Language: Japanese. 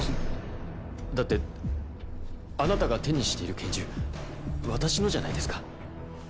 だってあなたが手にしている拳銃私のじゃないですか。